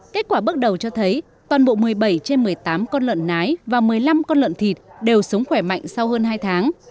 kết quả bước đầu cho thấy toàn bộ một mươi bảy trên một mươi tám con lợn nái và một mươi năm con lợn thịt đều sống khỏe mạnh sau hơn hai tháng